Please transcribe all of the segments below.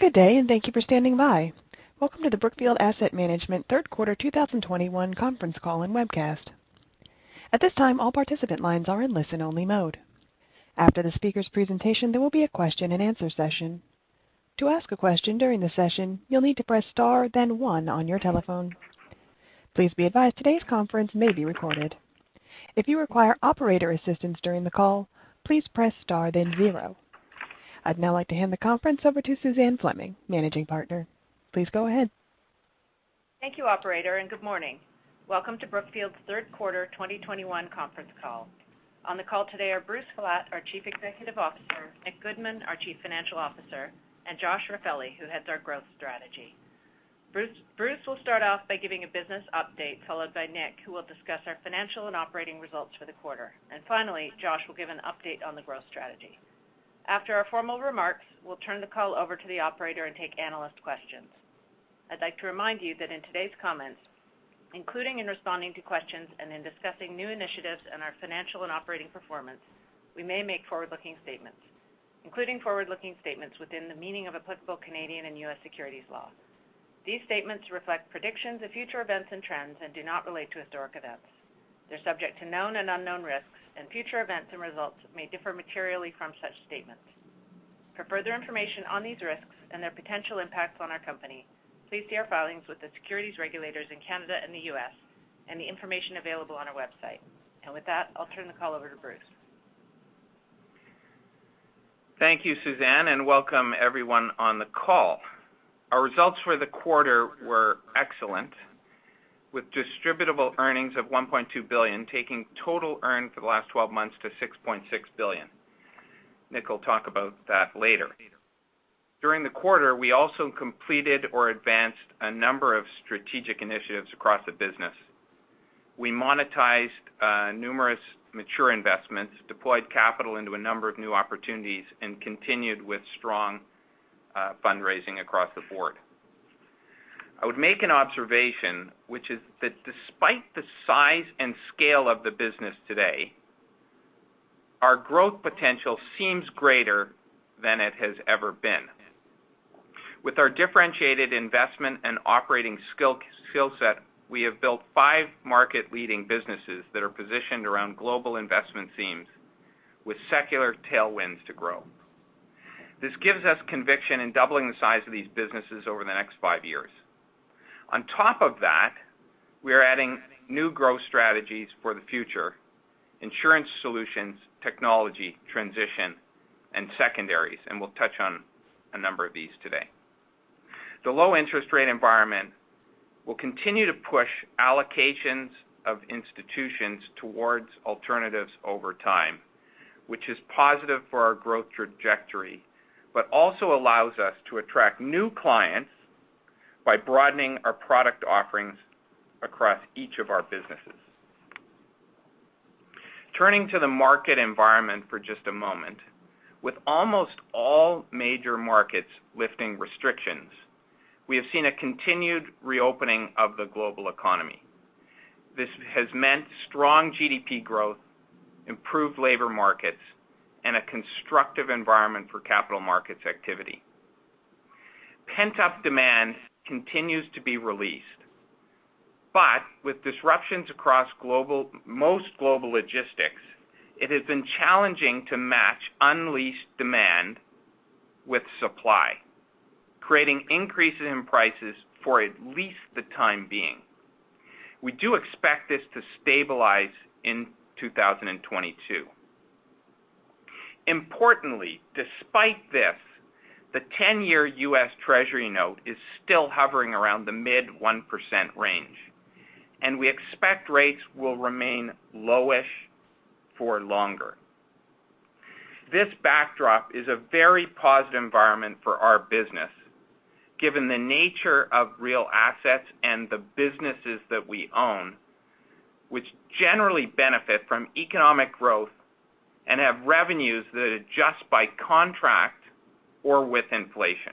Good day, and thank you for standing by. Welcome to the Brookfield Asset Management third quarter 2021 conference call and webcast. At this time, all participant lines are in listen-only mode. After the speaker's presentation, there will be a question-and-answer session. To ask a question during the session, you'll need to press star then one on your telephone. Please be advised today's conference may be recorded. If you require operator assistance during the call, please press star then zero. I'd now like to hand the conference over to Suzanne Fleming, Managing Partner. Please go ahead. Thank you, operator, and good morning. Welcome to Brookfield's third quarter 2021 conference call. On the call today are Bruce Flatt, our Chief Executive Officer, Nicholas Goodman, our Chief Financial Officer, and Josh Raffaelli, who heads our growth strategy. Bruce will start off by giving a business update, followed by Nick, who will discuss our financial and operating results for the quarter. Finally, Josh will give an update on the growth strategy. After our formal remarks, we'll turn the call over to the operator and take analyst questions. I'd like to remind you that in today's comments, including in responding to questions and in discussing new initiatives and our financial and operating performance, we may make forward-looking statements, including forward-looking statements within the meaning of applicable Canadian and U.S. securities law. These statements reflect predictions of future events and trends and do not relate to historic events. They're subject to known and unknown risks, and future events and results may differ materially from such statements. For further information on these risks and their potential impacts on our company, please see our filings with the securities regulators in Canada and the U.S. and the information available on our website. With that, I'll turn the call over to Bruce. Thank you, Suzanne, and welcome everyone on the call. Our results for the quarter were excellent, with distributable earnings of $1.2 billion, taking total earned for the last 12 months to $6.6 billion. Nick will talk about that later. During the quarter, we also completed or advanced a number of strategic initiatives across the business. We monetized numerous mature investments, deployed capital into a number of new opportunities, and continued with strong fundraising across the board. I would make an observation, which is that despite the size and scale of the business today, our growth potential seems greater than it has ever been. With our differentiated investment and operating skill set, we have built five market-leading businesses that are positioned around global investment themes with secular tailwinds to grow. This gives us conviction in doubling the size of these businesses over the next five years. On top of that, we are adding new growth strategies for the future, Insurance Solutions, technology, transition, and secondaries, and we'll touch on a number of these today. The low interest rate environment will continue to push allocations of institutions towards alternatives over time, which is positive for our growth trajectory, but also allows us to attract new clients by broadening our product offerings across each of our businesses. Turning to the market environment for just a moment. With almost all major markets lifting restrictions, we have seen a continued reopening of the global economy. This has meant strong GDP growth, improved labor markets, and a constructive environment for capital markets activity. Pent-up demand continues to be released, but with disruptions across most global logistics, it has been challenging to match unleashed demand with supply, creating increases in prices for at least the time being. We do expect this to stabilize in 2022. Importantly, despite this, the 10-year U.S. Treasury note is still hovering around the mid-1% range, and we expect rates will remain low-ish for longer. This backdrop is a very positive environment for our business, given the nature of real assets and the businesses that we own, which generally benefit from economic growth and have revenues that adjust by contract or with inflation.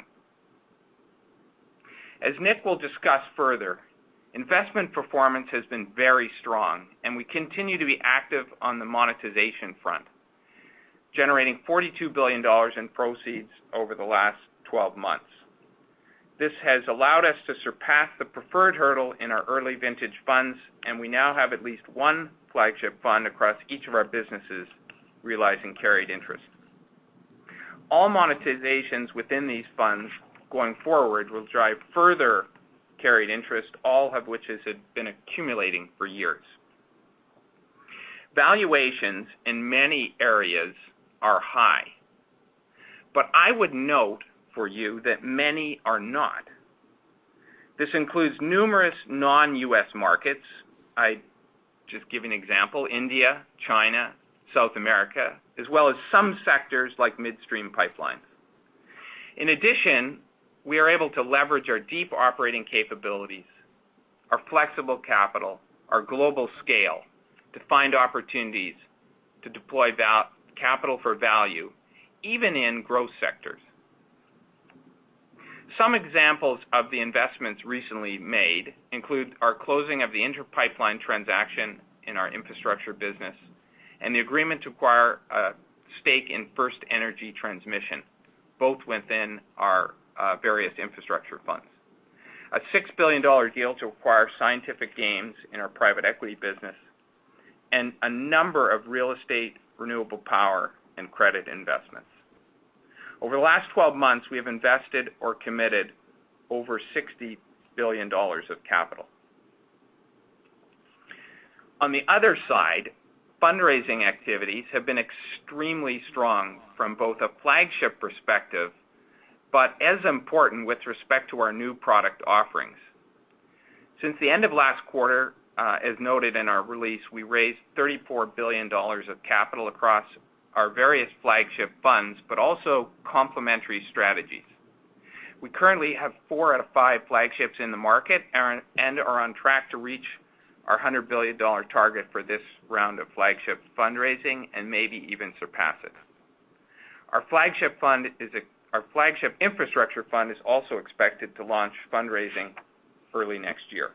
As Nick will discuss further, investment performance has been very strong, and we continue to be active on the monetization front, generating $42 billion in proceeds over the last 12 months. This has allowed us to surpass the preferred hurdle in our early vintage funds, and we now have at least one flagship fund across each of our businesses realizing Carried Interest. All monetizations within these funds going forward will drive further Carried Interest, all of which has been accumulating for years. Valuations in many areas are high, but I would note for you that many are not. This includes numerous non-U.S. markets. I just give an example, India, China, South America, as well as some sectors like midstream pipelines. In addition, we are able to leverage our deep operating capabilities, our flexible capital, our global scale to find opportunities to deploy capital for value, even in growth sectors. Some examples of the investments recently made include our closing of the Inter Pipeline transaction in our infrastructure business and the agreement to acquire a stake in FirstEnergy Transmission, both within our various infrastructure funds. A $6 billion deal to acquire Scientific Games in our private equity business, and a number of real estate, renewable power and credit investments. Over the last 12 months, we have invested or committed over $60 billion of capital. On the other side, fundraising activities have been extremely strong from both a flagship perspective, but as important with respect to our new product offerings. Since the end of last quarter, as noted in our release, we raised $34 billion of capital across our various flagship funds, but also complementary strategies. We currently have four out of five flagships in the market and are on track to reach our $100 billion target for this round of flagship fundraising, and maybe even surpass it. Our flagship infrastructure fund is also expected to launch fundraising early next year.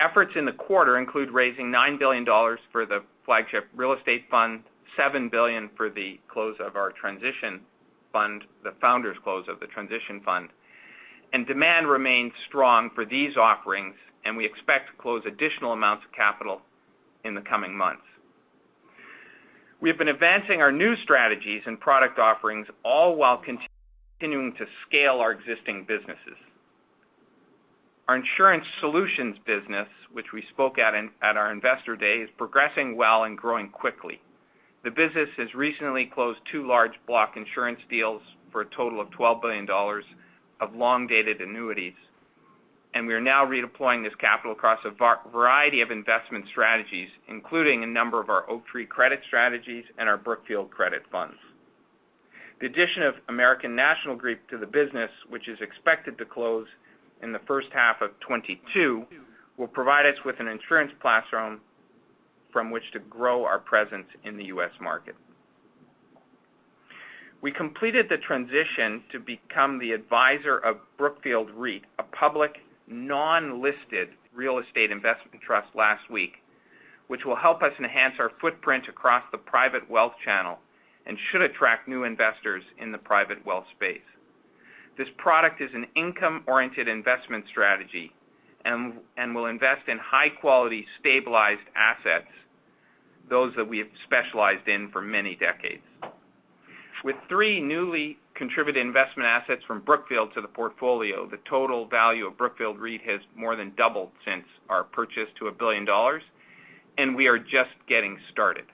Efforts in the quarter include raising $9 billion for the flagship real estate fund, $7 billion for the close of our transition fund, the founder's close of the transition fund, and demand remains strong for these offerings, and we expect to close additional amounts of capital in the coming months. We have been advancing our new strategies and product offerings all while continuing to scale our existing businesses. Our Insurance Solutions business, which we spoke about at our investor day, is progressing well and growing quickly. The business has recently closed two large block insurance deals for a total of $12 billion of long-dated annuities, and we are now redeploying this capital across a variety of investment strategies, including a number of our Oaktree credit strategies and our Brookfield credit funds. The addition of American National Group to the business, which is expected to close in the first half of 2022, will provide us with an insurance platform from which to grow our presence in the U.S. market. We completed the transition to become the advisor of Brookfield REIT, a public non-traded real estate investment trust last week, which will help us enhance our footprint across the private wealth channel and should attract new investors in the private wealth space. This product is an income-oriented investment strategy and will invest in high-quality stabilized assets, those that we have specialized in for many decades. With three newly contributed investment assets from Brookfield to the portfolio, the total value of Brookfield REIT has more than doubled since our purchase to $1 billion, and we are just getting started.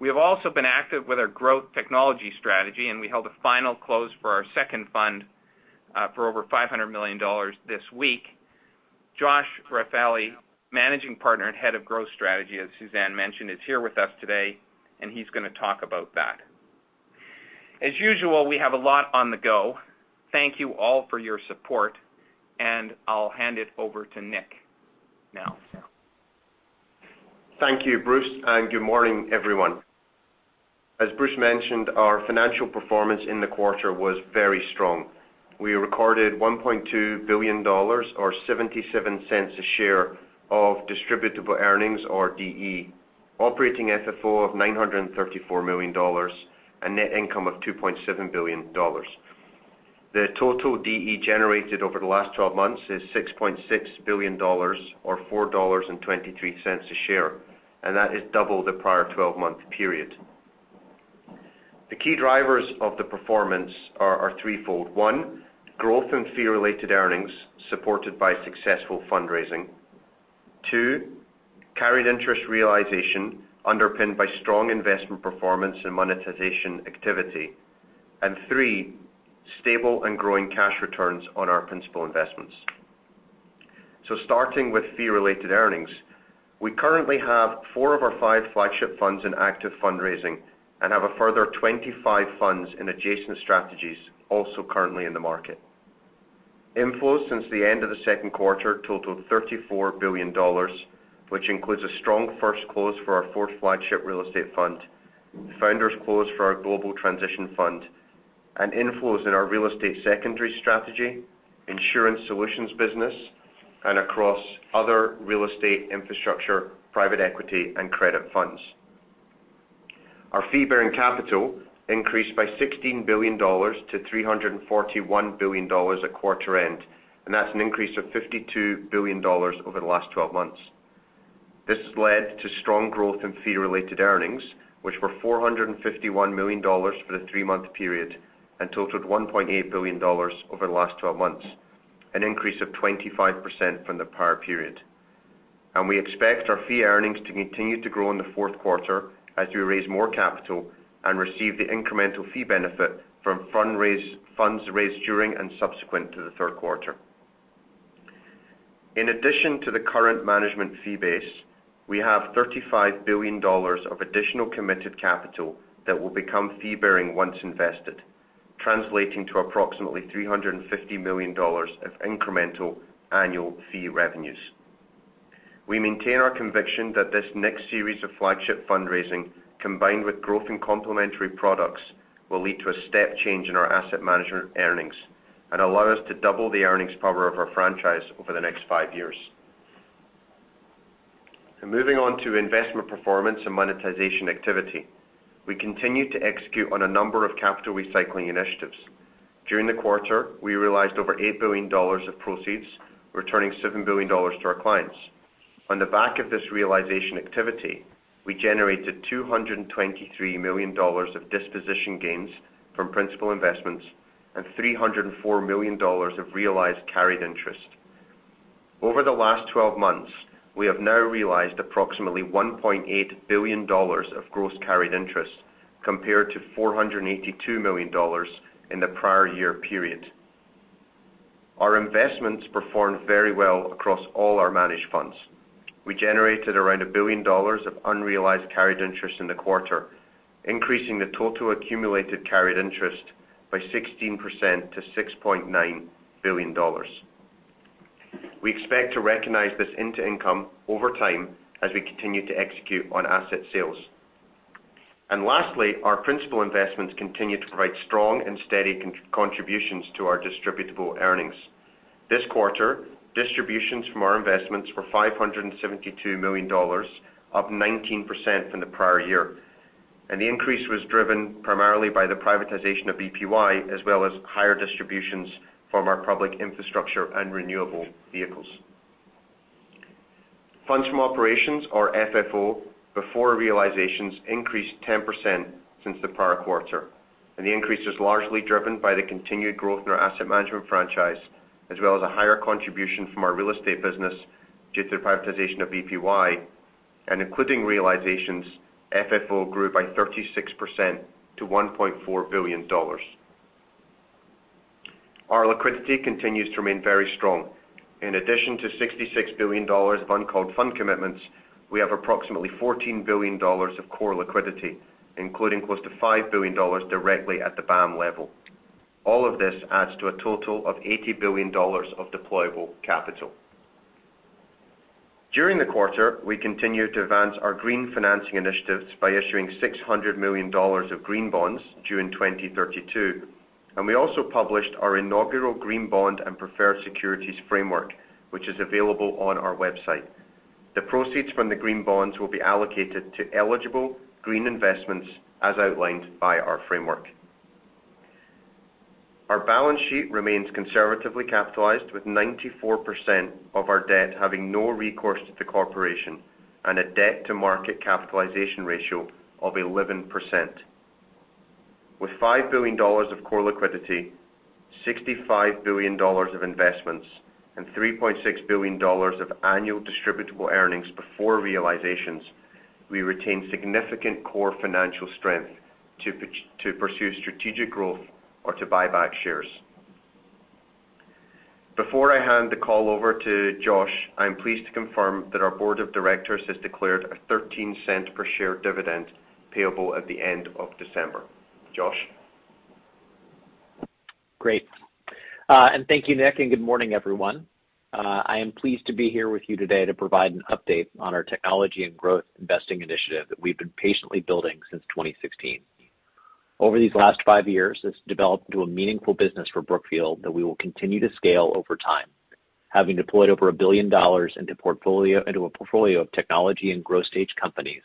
We have also been active with our growth technology strategy, and we held a final close for our second fund for over $500 million this week. Josh Raffaelli, Managing Partner and Head of Growth Strategy, as Suzanne mentioned, is here with us today and he's gonna talk about that. As usual, we have a lot on the go. Thank you all for your support, and I'll hand it over to Nick now. Thank you, Bruce, and good morning, everyone. As Bruce mentioned, our financial performance in the quarter was very strong. We recorded $1.2 billion or $0.77 a share of Distributable Earnings or DE, Operating FFO of $934 million, and net income of $2.7 billion. The total DE generated over the last 12 months is $6.6 billion or $4.23 a share, and that is double the prior 12-month period. The key drivers of the performance are threefold. One, growth in Fee-Related Earnings supported by successful fundraising. Two, Carried Interest realization underpinned by strong investment performance and monetization activity. Three, stable and growing cash returns on our principal investments. Starting with Fee-Related Earnings, we currently have four of our five flagship funds in active fundraising and have a further 25 funds in adjacent strategies also currently in the market. Inflows since the end of the second quarter totaled $34 billion, which includes a strong first close for our fourth flagship real estate fund, the first close for our global transition fund, and inflows in our real estate secondary strategy, Insurance Solutions business, and across other real estate infrastructure, private equity, and credit funds. Our Fee-Bearing Capital increased by $16 billion to $341 billion at quarter end, and that's an increase of $52 billion over the last 12 months. This has led to strong growth in Fee-Related Earnings, which were $451 million for the three-month period and totaled $1.8 billion over the last twelve months, an increase of 25% from the prior period. We expect our fee earnings to continue to grow in the fourth quarter as we raise more capital and receive the incremental fee benefit from funds raised during and subsequent to the third quarter. In addition to the current management fee base, we have $35 billion of additional committed capital that will become fee-bearing once invested, translating to approximately $350 million of incremental annual fee revenues. We maintain our conviction that this next series of flagship fundraising, combined with growth in complementary products, will lead to a step change in our asset management earnings and allow us to double the earnings power of our franchise over the next five years. Moving on to investment performance and monetization activity. We continue to execute on a number of capital recycling initiatives. During the quarter, we realized over $8 billion of proceeds, returning $7 billion to our clients. On the back of this realization activity, we generated $223 million of disposition gains from principal investments and $304 million of realized carried interest. Over the last 12 months, we have now realized approximately $1.8 billion of gross carried interest compared to $482 million in the prior year period. Our investments performed very well across all our managed funds. We generated around $1 billion of unrealized carried interest in the quarter, increasing the total accumulated carried interest by 16% to $6.9 billion. We expect to recognize this into income over time as we continue to execute on asset sales. Lastly, our principal investments continue to provide strong and steady contributions to our distributable earnings. This quarter, distributions from our investments were $572 million, up 19% from the prior year, and the increase was driven primarily by the privatization of BPY, as well as higher distributions from our public infrastructure and renewable vehicles. Funds from operations, or FFO, before realizations increased 10% since the prior quarter, and the increase was largely driven by the continued growth in our asset management franchise, as well as a higher contribution from our real estate business due to the privatization of BPY. Including realizations, FFO grew by 36% to $1.4 billion. Our liquidity continues to remain very strong. In addition to $66 billion of uncalled fund commitments, we have approximately $14 billion of core liquidity, including close to $5 billion directly at the BAM level. All of this adds to a total of $80 billion of deployable capital. During the quarter, we continued to advance our green financing initiatives by issuing $600 million of green bonds due in 2032, and we also published our inaugural green bond and preferred securities framework, which is available on our website. The proceeds from the green bonds will be allocated to eligible green investments as outlined by our framework. Our balance sheet remains conservatively capitalized, with 94% of our debt having no recourse to the corporation and a debt-to-market capitalization ratio of 11%. With $5 billion of core liquidity, $65 billion of investments, and $3.6 billion of annual Distributable Earnings before realizations, we retain significant core financial strength to pursue strategic growth or to buy back shares. Before I hand the call over to Josh, I am pleased to confirm that our board of directors has declared a $0.13 per share dividend payable at the end of December. Josh? Great. Thank you, Nick, and good morning, everyone. I am pleased to be here with you today to provide an update on our technology and growth investing initiative that we've been patiently building since 2016. Over these last five years, it's developed into a meaningful business for Brookfield that we will continue to scale over time. Having deployed over $1 billion into a portfolio of technology and growth stage companies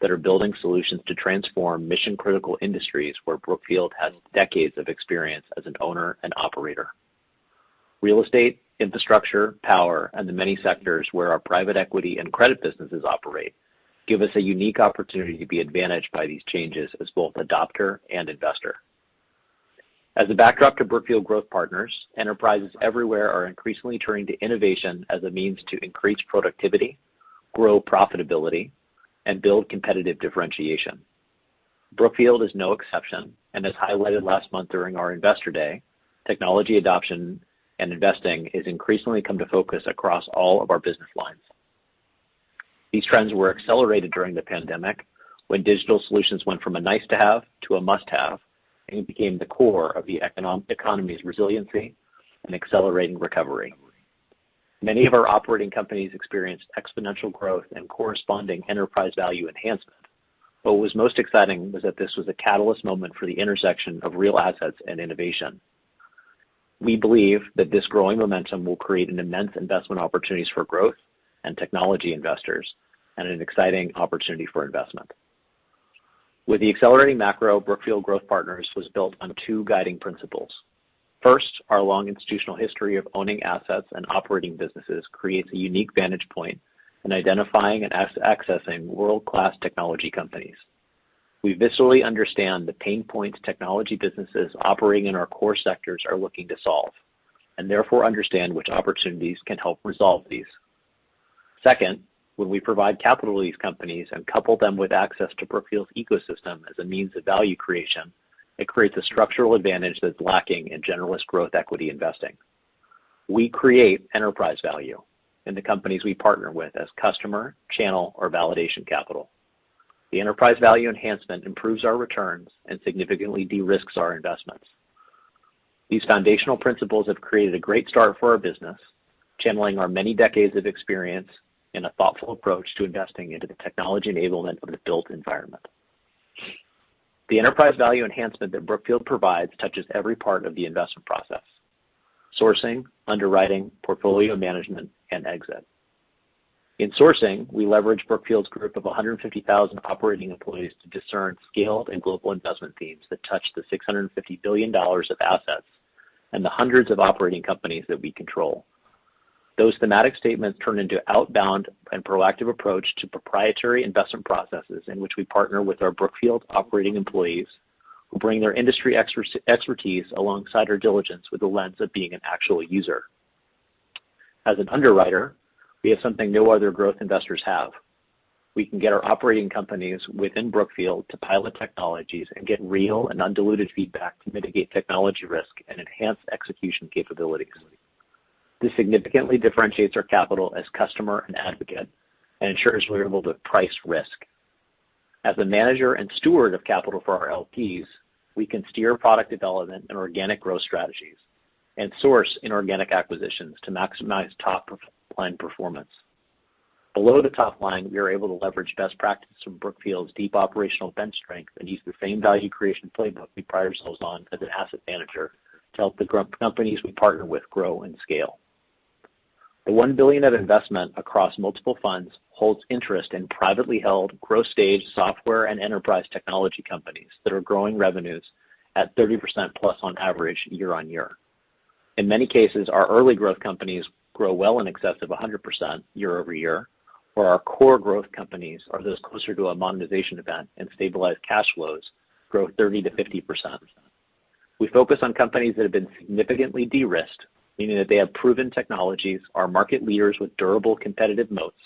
that are building solutions to transform mission-critical industries where Brookfield has decades of experience as an owner and operator. Real estate, infrastructure, power, and the many sectors where our private equity and credit businesses operate give us a unique opportunity to be advantaged by these changes as both adopter and investor. As a backdrop to Brookfield Growth, enterprises everywhere are increasingly turning to innovation as a means to increase productivity, grow profitability, and build competitive differentiation. Brookfield is no exception, and as highlighted last month during our Investor Day, technology adoption and investing has increasingly come to focus across all of our business lines. These trends were accelerated during the pandemic, when digital solutions went from a nice to have to a must-have, and it became the core of the economy's resiliency and accelerating recovery. Many of our operating companies experienced exponential growth and corresponding enterprise value enhancement. What was most exciting was that this was a catalyst moment for the intersection of real assets and innovation. We believe that this growing momentum will create an immense investment opportunities for growth and technology investors and an exciting opportunity for investment. With the accelerating macro, Brookfield Growth Partners was built on two guiding principles. First, our long institutional history of owning assets and operating businesses creates a unique vantage point in identifying and accessing world-class technology companies. We viscerally understand the pain points technology businesses operating in our core sectors are looking to solve, and therefore understand which opportunities can help resolve these. Second, when we provide capital to these companies and couple them with access to Brookfield's ecosystem as a means of value creation, it creates a structural advantage that's lacking in generalist growth equity investing. We create enterprise value in the companies we partner with as customer, channel, or validation capital. The enterprise value enhancement improves our returns and significantly de-risks our investments. These foundational principles have created a great start for our business, channeling our many decades of experience in a thoughtful approach to investing into the technology enablement of the built environment. The enterprise value enhancement that Brookfield provides touches every part of the investment process, sourcing, underwriting, portfolio management, and exit. In sourcing, we leverage Brookfield's group of 150,000 operating employees to discern scaled and global investment themes that touch the $650 billion of assets and the hundreds of operating companies that we control. Those thematic statements turn into outbound and proactive approach to proprietary investment processes in which we partner with our Brookfield operating employees who bring their industry expertise alongside our diligence with the lens of being an actual user. As an underwriter, we have something no other growth investors have. We can get our operating companies within Brookfield to pilot technologies and get real and undiluted feedback to mitigate technology risk and enhance execution capabilities. This significantly differentiates our capital as customer and advocate and ensures we're able to price risk. As a manager and steward of capital for our LPs, we can steer product development and organic growth strategies and source inorganic acquisitions to maximize top-line performance. Below the top line, we are able to leverage best practices from Brookfield's deep operational bench strength and use the same value creation playbook we pride ourselves on as an asset manager to help the growth companies we partner with grow and scale. The $1 billion investment across multiple funds holds interest in privately held growth-stage software and enterprise technology companies that are growing revenues at 30%+ on average year-over-year. In many cases, our early growth companies grow well in excess of 100% year-over-year, or our core growth companies are those closer to a monetization event and stabilized cash flows grow 30%-50%. We focus on companies that have been significantly de-risked, meaning that they have proven technologies, are market leaders with durable competitive moats,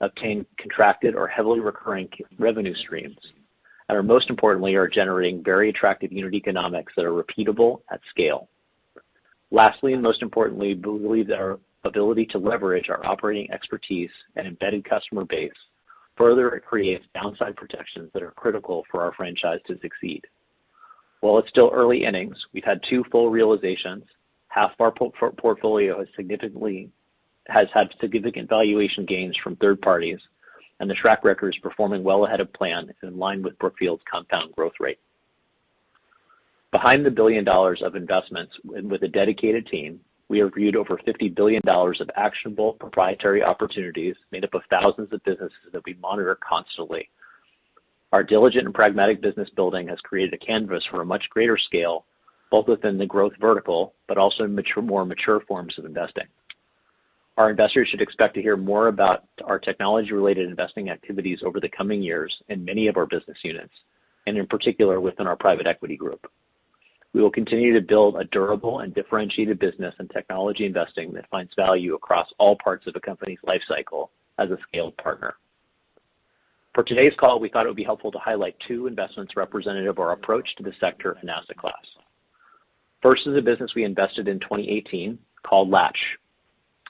obtain contracted or heavily recurring revenue streams, and are most importantly, are generating very attractive unit economics that are repeatable at scale. Lastly, and most importantly, we believe that our ability to leverage our operating expertise and embedded customer base further creates downside protections that are critical for our franchise to succeed. While it's still early innings, we've had two full realizations. Half our portfolio has had significant valuation gains from third parties, and the track record is performing well ahead of plan and in line with Brookfield's compound growth rate. Behind the $1 billion of investments and with a dedicated team, we have reviewed over $50 billion of actionable proprietary opportunities made up of thousands of businesses that we monitor constantly. Our diligent and pragmatic business building has created a canvas for a much greater scale, both within the growth vertical, but also in more mature forms of investing. Our investors should expect to hear more about our technology-related investing activities over the coming years in many of our business units, and in particular, within our private equity group. We will continue to build a durable and differentiated business in technology investing that finds value across all parts of a company's life cycle as a scaled partner. For today's call, we thought it would be helpful to highlight two investments representative of our approach to the sector and asset class. First is a business we invested in 2018 called Latch,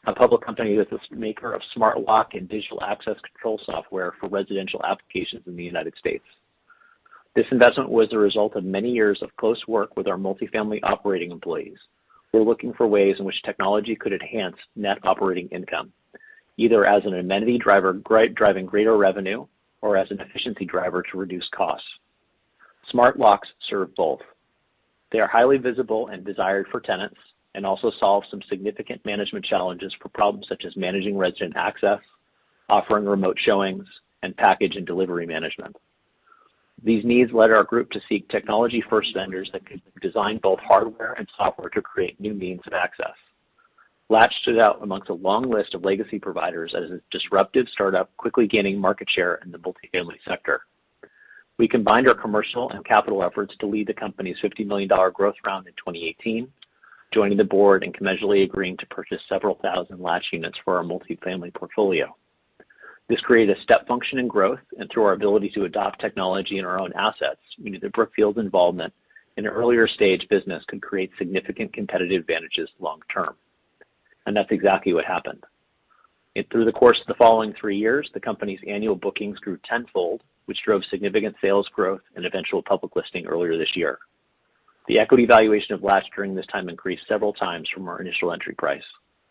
a public company that's a maker of smart lock and digital access control software for residential applications in the United States. This investment was the result of many years of close work with our multifamily operating employees who are looking for ways in which technology could enhance net operating income, either as an amenity driver driving greater revenue or as an efficiency driver to reduce costs. Smart locks serve both. They are highly visible and desired for tenants and also solve some significant management challenges for problems such as managing resident access, offering remote showings, and package and delivery management. These needs led our group to seek technology-first vendors that could design both hardware and software to create new means of access. Latch stood out amongst a long list of legacy providers as a disruptive startup quickly gaining market share in the multifamily sector. We combined our commercial and capital efforts to lead the company's $50 million growth round in 2018, joining the board and commercially agreeing to purchase several thousand Latch units for our multifamily portfolio. This created a step function in growth, and through our ability to adopt technology in our own assets, meaning that Brookfield's involvement in an earlier stage business could create significant competitive advantages long term. That's exactly what happened. Through the course of the following three years, the company's annual bookings grew tenfold, which drove significant sales growth and eventual public listing earlier this year. The equity valuation of Latch during this time increased several times from our initial entry price,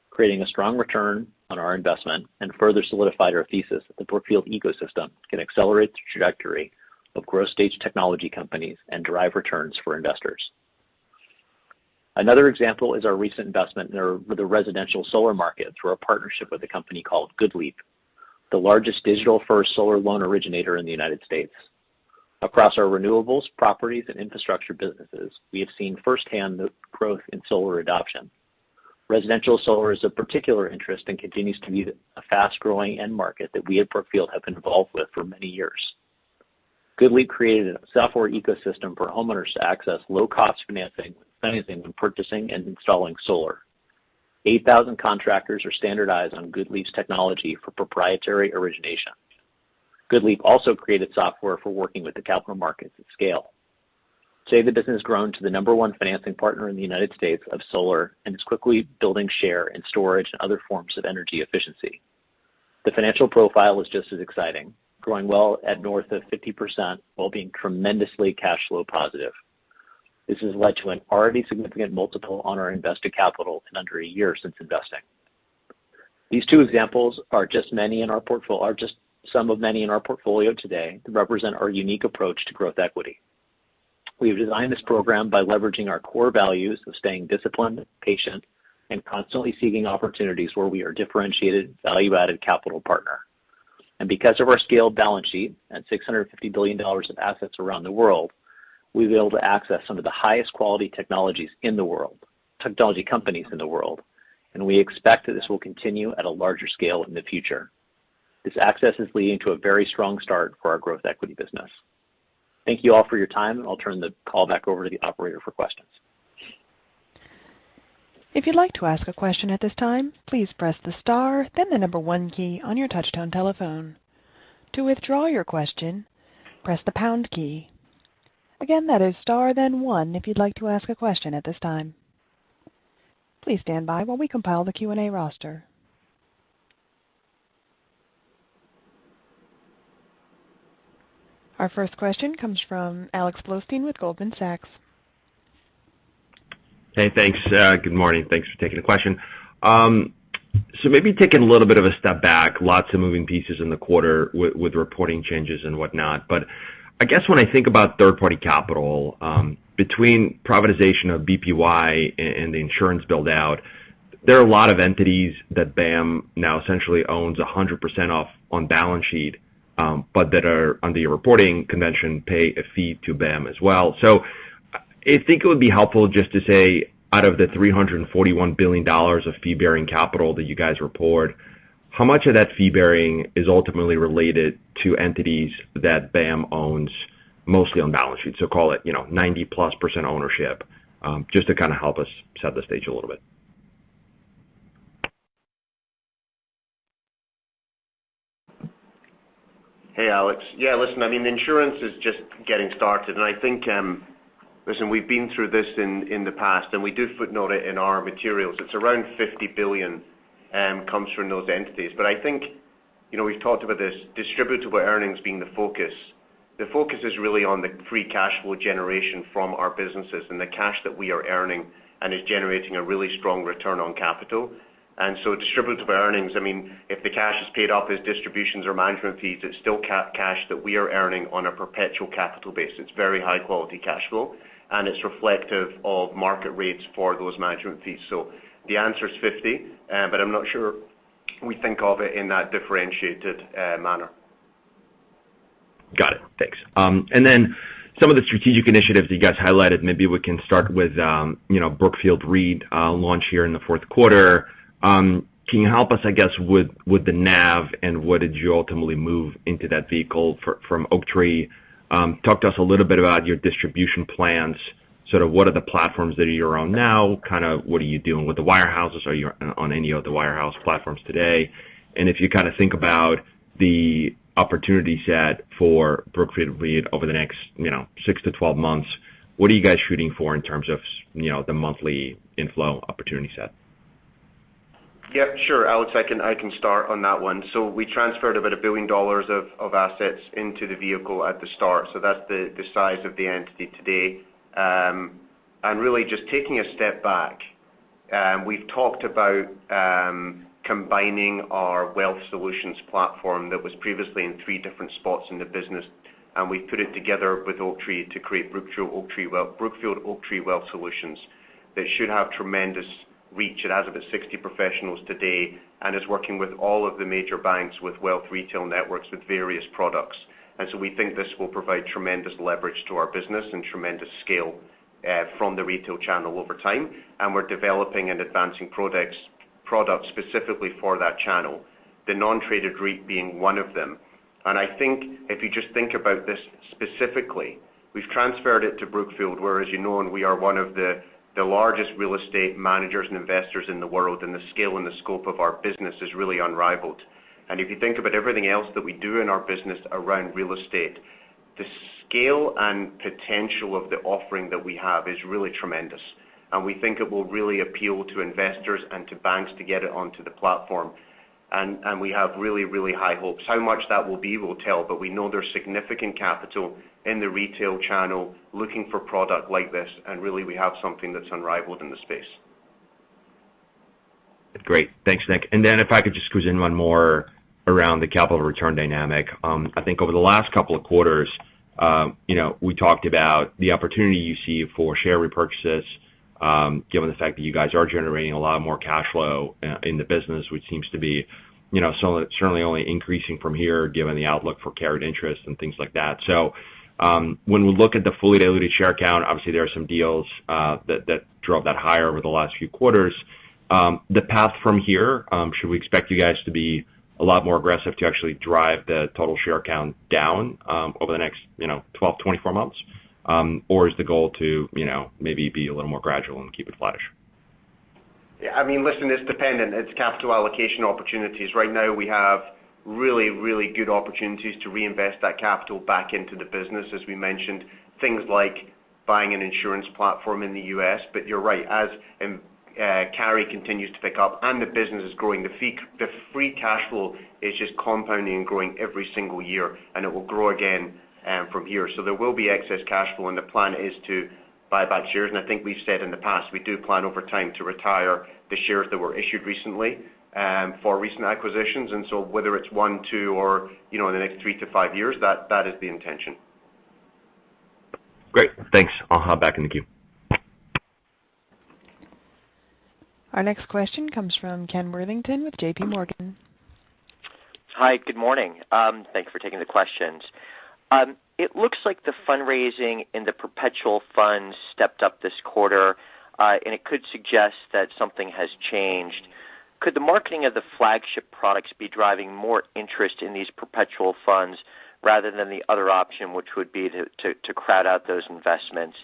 creating a strong return on our investment and further solidified our thesis that the Brookfield ecosystem can accelerate the trajectory of growth stage technology companies and drive returns for investors. Another example is our recent investment with the residential solar market through our partnership with a company called GoodLeap, the largest digital-first solar loan originator in the United States. Across our renewables, properties, and infrastructure businesses, we have seen firsthand the growth in solar adoption. Residential solar is of particular interest and continues to be a fast-growing end market that we at Brookfield have been involved with for many years. GoodLeap created a software ecosystem for homeowners to access low cost financing when purchasing and installing solar. 8,000 contractors are standardized on GoodLeap's technology for proprietary origination. GoodLeap also created software for working with the capital markets at scale. Today, the business has grown to the number one financing partner in the United States of solar and is quickly building share in storage and other forms of energy efficiency. The financial profile is just as exciting, growing well at north of 50% while being tremendously cash flow positive. This has led to an already significant multiple on our invested capital in under a year since investing. These two examples are just some of many in our portfolio today that represent our unique approach to growth equity. We've designed this program by leveraging our core values of staying disciplined, patient, and constantly seeking opportunities where we are differentiated value-added capital partner. Because of our scaled balance sheet and $650 billion of assets around the world, we'll be able to access some of the highest quality technology companies in the world. We expect that this will continue at a larger scale in the future. This access is leading to a very strong start for our growth equity business. Thank you all for your time, and I'll turn the call back over to the operator for questions. If you'd like to ask a question at this time, please press the star then the number one key on your touchtone telephone. To withdraw your question, press the pound key. Again, that is star then one if you'd like to ask a question at this time. Please stand by while we compile the Q&A roster. Our first question comes from Alex Blostein with Goldman Sachs. Hey, thanks. Good morning. Thanks for taking the question. Maybe taking a little bit of a step back, lots of moving pieces in the quarter with reporting changes and whatnot. I guess when I think about third-party capital, between privatization of BPY and the insurance build-out, there are a lot of entities that BAM now essentially owns 100% of on balance sheet, but that are under your reporting convention pay a fee to BAM as well. I think it would be helpful just to say, out of the $341 billion of fee-bearing capital that you guys report, how much of that fee-bearing is ultimately related to entities that BAM owns mostly on balance sheet? Call it, you know, 90%+ ownership, just to kind of help us set the stage a little bit. Hey, Alex. Yeah, listen, I mean, insurance is just getting started, and I think. Listen, we've been through this in the past, and we do footnote it in our materials. It's around $50 billion that comes from those entities. I think, you know, we've talked about this Distributable Earnings being the focus. The focus is really on the free cash flow generation from our businesses and the cash that we are earning and is generating a really strong return on capital. Distributable Earnings, I mean, if the cash is paid off as distributions or management fees, it's still cash that we are earning on a perpetual capital basis. It's very high-quality cash flow, and it's reflective of market rates for those management fees. The answer is $50 billion, but I'm not sure we think of it in that differentiated manner. Got it. Thanks. Some of the strategic initiatives that you guys highlighted, maybe we can start with you know, Brookfield REIT launch here in the fourth quarter. Can you help us, I guess, with the NAV and what did you ultimately move into that vehicle for from Oaktree? Talk to us a little bit about your distribution plans, sort of what are the platforms that you're on now, kind of what are you doing with the wirehouses? Are you on any of the wirehouse platforms today? If you kind of think about the opportunity set for Brookfield REIT over the next, you know, six to 12 months, what are you guys shooting for in terms of, you know, the monthly inflow opportunity set? Yeah, sure. Alex, I can start on that one. We transferred about $1 billion of assets into the vehicle at the start. That's the size of the entity today. Really just taking a step back, we've talked about combining our wealth solutions platform that was previously in three different spots in the business, and we put it together with Oaktree to create Brookfield Oaktree Wealth Solutions. That should have tremendous reach. It has about 60 professionals today and is working with all of the major banks with wealth retail networks with various products. We think this will provide tremendous leverage to our business and tremendous scale from the retail channel over time. We're developing and advancing products specifically for that channel, the non-traded REIT being one of them. I think if you just think about this specifically, we've transferred it to Brookfield, where, as you know, and we are one of the largest real estate managers and investors in the world, and the scale and the scope of our business is really unrivaled. If you think about everything else that we do in our business around real estate, the scale and potential of the offering that we have is really tremendous. We think it will really appeal to investors and to banks to get it onto the platform. We have really, really high hopes. How much that will be we'll tell, but we know there's significant capital in the retail channel looking for product like this. Really we have something that's unrivaled in the space. Great. Thanks, Nick. Then if I could just squeeze in one more around the capital return dynamic. I think over the last couple of quarters, you know, we talked about the opportunity you see for share repurchases, given the fact that you guys are generating a lot more cash flow in the business, which seems to be, you know, so certainly only increasing from here given the outlook for carried interest and things like that. When we look at the fully diluted share count, obviously there are some deals that drove that higher over the last few quarters. The path from here, should we expect you guys to be a lot more aggressive to actually drive the total share count down, over the next, you know, 12, 24 months? is the goal to, you know, maybe be a little more gradual and keep it flat-ish? Yeah. I mean, listen, it's dependent. It's capital allocation opportunities. Right now we have really, really good opportunities to reinvest that capital back into the business. As we mentioned, things like buying an insurance platform in the U.S. But you're right. As carry continues to pick up and the business is growing, the free cash flow is just compounding and growing every single year, and it will grow again from here. So there will be excess cash flow, and the plan is to buy back shares. I think we've said in the past, we do plan over time to retire the shares that were issued recently for recent acquisitions. Whether it's one, two, or, you know, in the next three to five years, that is the intention. Great. Thanks. I'll hop back in the queue. Our next question comes from Ken Worthington with JPMorgan. Hi, good morning. Thank you for taking the questions. It looks like the fundraising in the perpetual funds stepped up this quarter, and it could suggest that something has changed. Could the marketing of the flagship products be driving more interest in these perpetual funds rather than the other option, which would be to crowd out those investments?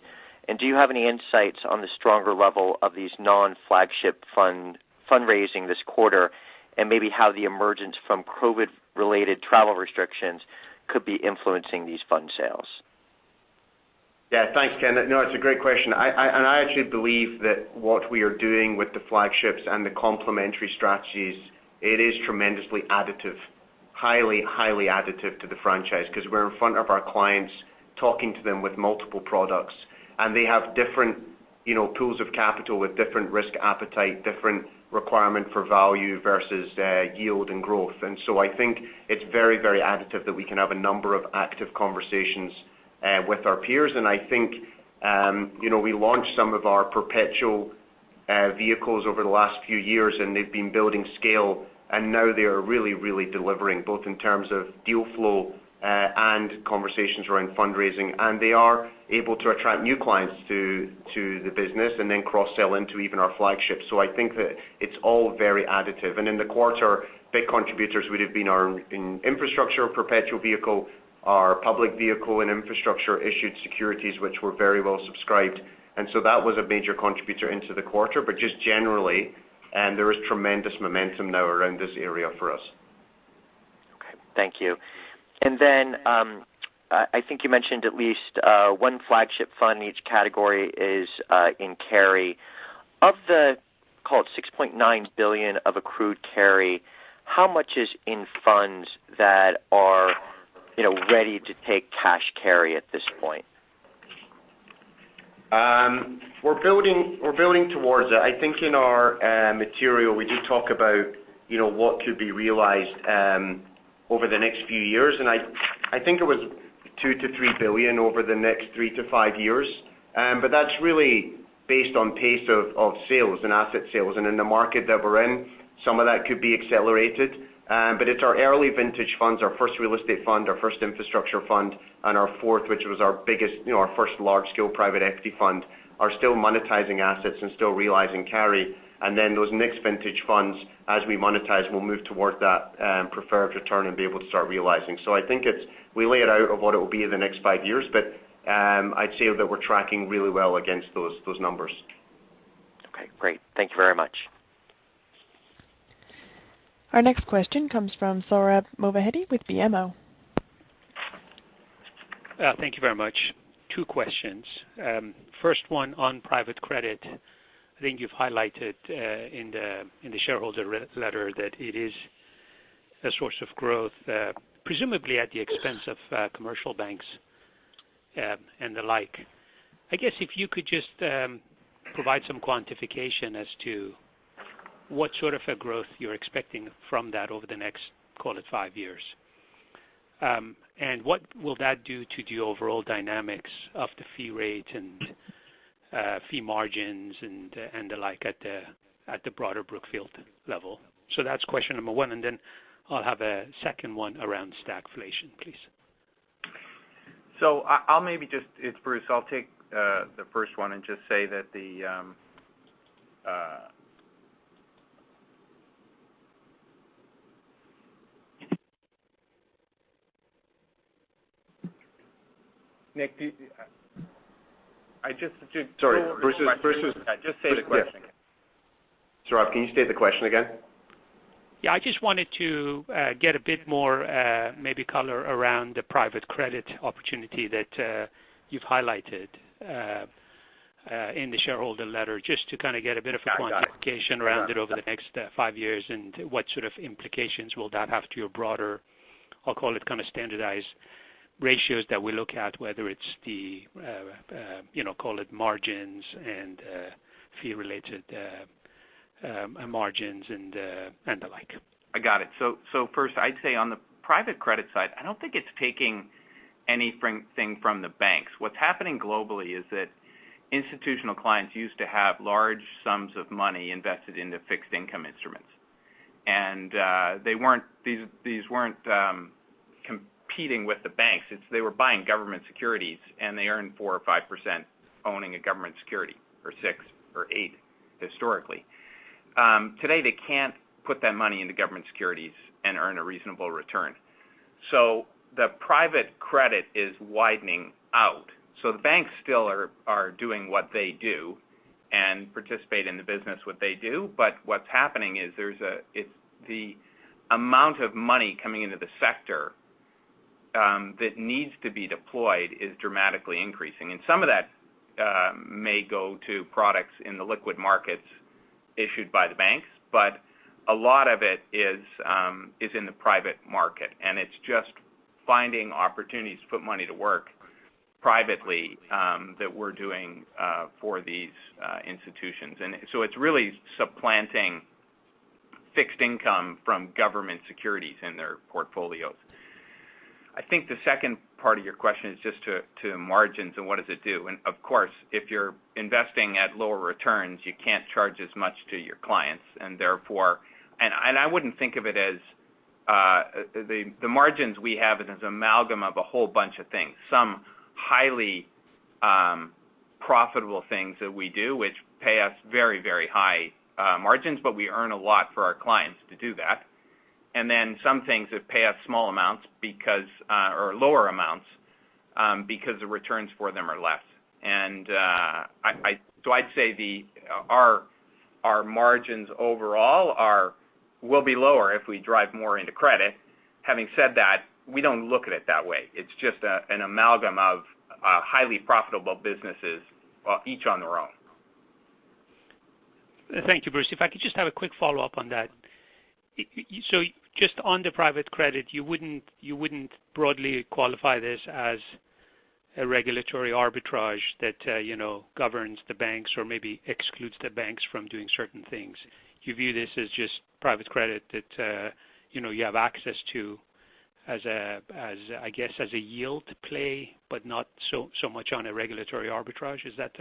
Do you have any insights on the stronger level of these non-flagship fund fundraising this quarter, and maybe how the emergence from COVID-related travel restrictions could be influencing these fund sales? Yeah. Thanks, Ken. No, it's a great question. I actually believe that what we are doing with the flagships and the complementary strategies, it is tremendously additive, highly additive to the franchise 'cause we're in front of our clients talking to them with multiple products, and they have different, you know, pools of capital with different risk appetite, different requirement for value versus yield and growth. I think it's very additive that we can have a number of active conversations with our peers. I think, you know, we launched some of our perpetual vehicles over the last few years, and they've been building scale, and now they are really delivering, both in terms of deal flow and conversations around fundraising. They are able to attract new clients to the business and then cross-sell into even our flagships. I think that it's all very additive. In the quarter, big contributors would have been our infrastructure perpetual vehicle, our public vehicle and infrastructure issued securities, which were very well subscribed. That was a major contributor into the quarter. Just generally, and there is tremendous momentum now around this area for us. Okay. Thank you. I think you mentioned at least one flagship fund in each category is in carry. Of the, call it $6.9 billion of accrued carry, how much is in funds that are, you know, ready to take cash carry at this point? We're building towards it. I think in our material, we do talk about, you know, what could be realized over the next few years. I think it was $2 billion-$3 billion over the next three to five years. But that's really based on pace of sales and asset sales. In the market that we're in, some of that could be accelerated. But it's our early vintage funds, our first real estate fund, our first infrastructure fund, and our fourth, which was our biggest, you know, our first large-scale private equity fund, are still monetizing assets and still realizing carry. Then those next vintage funds, as we monetize, we'll move towards that preferred return and be able to start realizing. I think it's. We lay it out as what it will be in the next five years, but I'd say that we're tracking really well against those numbers. Okay, great. Thank you very much. Our next question comes from Sohrab Movahedi with BMO. Thank you very much. Two questions. First one on private credit. I think you've highlighted in the shareholder letter that it is a source of growth, presumably at the expense of commercial banks and the like. I guess if you could just provide some quantification as to what sort of a growth you're expecting from that over the next, call it, five years. And what will that do to the overall dynamics of the fee rate and fee margins and the like at the broader Brookfield level? That's question number one, and then I'll have a second one around stagflation, please. It's Bruce. I'll take the first one and just say that the Nick, do you? I just did. Sorry. Bruce was. Just say the question again. Sohrab, can you state the question again? Yeah. I just wanted to get a bit more maybe color around the private credit opportunity that you've highlighted in the shareholder letter, just to kind of get a bit of a quantification. I got it. Around it over the next five years and what sort of implications will that have to your broader, I'll call it, kind of standardized ratios that we look at, whether it's the, you know, call it margins and fee-related margins and the like? I got it. First, I'd say on the private credit side, I don't think it's taking anything from the banks. What's happening globally is that institutional clients used to have large sums of money invested into fixed income instruments. And they weren't competing with the banks. It's that they were buying government securities, and they earned 4% or 5% owning a government security, or 6% or 8%, historically. Today, they can't put that money into government securities and earn a reasonable return. The private credit is widening out. The banks still are doing what they do and participate in the business, what they do. What's happening is it's the amount of money coming into the sector that needs to be deployed is dramatically increasing. Some of that may go to products in the liquid markets issued by the banks. But a lot of it is in the private market, and it's just finding opportunities to put money to work privately that we're doing for these institutions. It's really supplanting fixed income from government securities in their portfolios. I think the second part of your question is just to margins and what does it do. Of course, if you're investing at lower returns, you can't charge as much to your clients and therefore I wouldn't think of it as the margins we have is this amalgam of a whole bunch of things. Some highly profitable things that we do, which pay us very high margins, but we earn a lot for our clients to do that. Then some things that pay us small amounts because or lower amounts because the returns for them are less. So I'd say our margins overall will be lower if we drive more into credit. Having said that, we don't look at it that way. It's just an amalgam of highly profitable businesses, each on their own. Thank you, Bruce. If I could just have a quick follow-up on that. Just on the private credit, you wouldn't broadly qualify this as a regulatory arbitrage that, you know, governs the banks or maybe excludes the banks from doing certain things. You view this as just private credit that, you know, you have access to as a, I guess, as a yield play, but not so much on a regulatory arbitrage. Is that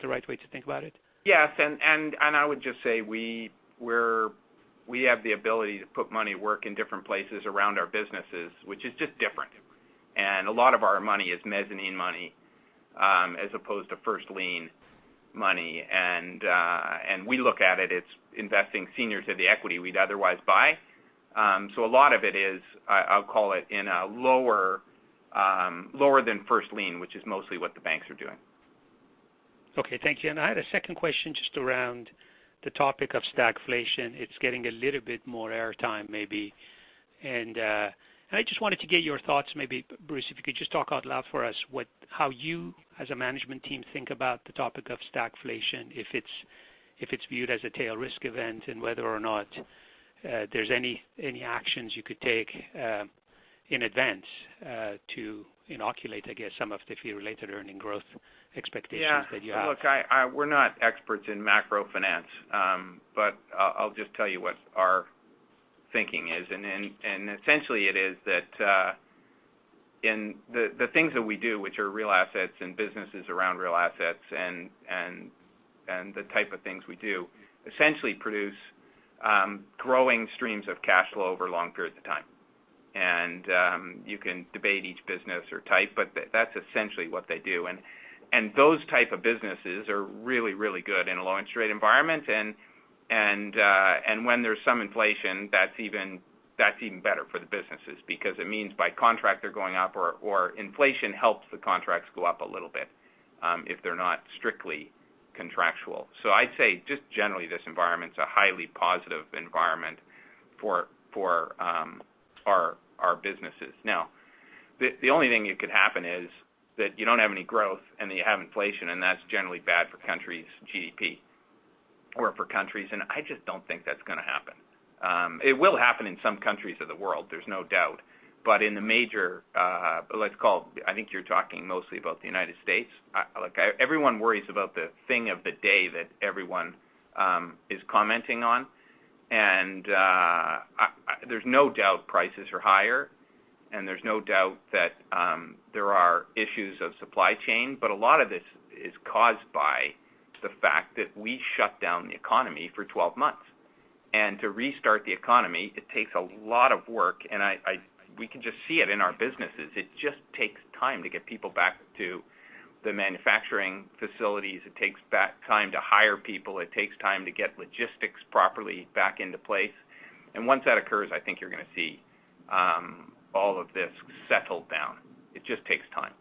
the right way to think about it? Yes. I would just say we have the ability to put money to work in different places around our businesses, which is just different. A lot of our money is Mezzanine financing as opposed to first lien money. We look at it's investing senior to the equity we'd otherwise buy. A lot of it is, I'll call it in a lower than first lien, which is mostly what the banks are doing. Okay. Thank you. I had a second question just around the topic of stagflation. It's getting a little bit more air time maybe. I just wanted to get your thoughts, maybe Bruce, if you could just talk out loud for us, how you as a management team think about the topic of stagflation, if it's viewed as a tail risk event, and whether or not there's any actions you could take in advance to inoculate, I guess, some of the fee-related earnings growth expectations that you have. Yeah. Look, we're not experts in macroeconomics. But I'll just tell you what our thinking is. Essentially it is that in the things that we do, which are real assets and businesses around real assets and the type of things we do, essentially produce growing streams of cash flow over long periods of time. You can debate each business or type, but that's essentially what they do. Those type of businesses are really good in a low interest rate environment. When there's some inflation, that's even better for the businesses because it means by contract they're going up or inflation helps the contracts go up a little bit, if they're not strictly contractual. I'd say just generally this environment's a highly positive environment for our businesses. Now, the only thing that could happen is that you don't have any growth and you have inflation, and that's generally bad for countries' GDP or for countries. I just don't think that's gonna happen. It will happen in some countries of the world, there's no doubt. In the major, I think you're talking mostly about the United States. Look, everyone worries about the thing of the day that everyone is commenting on. There's no doubt prices are higher, and there's no doubt that there are issues of supply chain. A lot of this is caused by the fact that we shut down the economy for 12 months. To restart the economy, it takes a lot of work. We can just see it in our businesses. It just takes time to get people back to the manufacturing facilities. It takes time to hire people. It takes time to get logistics properly back into place. Once that occurs, I think you're gonna see all of this settle down. It just takes time.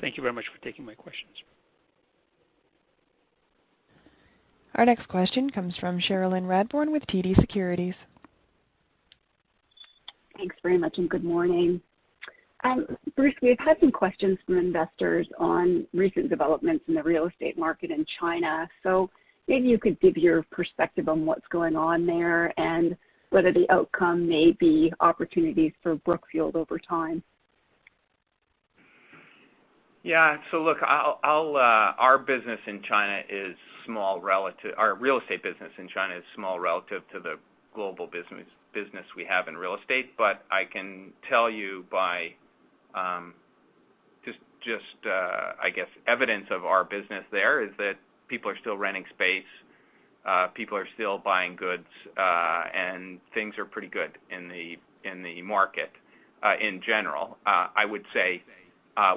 Thank you very much for taking my questions. Our next question comes from Cherilyn Radbourne with TD Securities. Thanks very much, and good morning. Bruce, we've had some questions from investors on recent developments in the real estate market in China. Maybe you could give your perspective on what's going on there and whether the outcome may be opportunities for Brookfield over time. Yeah. Look, our real estate business in China is small relative to the global business we have in real estate. I can tell you by I guess evidence of our business there is that people are still renting space, people are still buying goods, and things are pretty good in the market in general. I would say